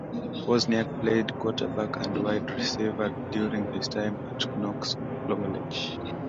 Wozniak played Quarterback and Wide Receiver during his time at Knox College.